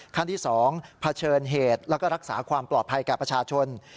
ขั้นที่๒เผชิญเหตุแล้วก็รักษาความปลอดภัยแก่ประชาชน